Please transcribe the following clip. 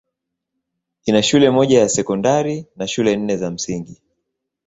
Ina shule moja ya sekondari na shule nne za msingi.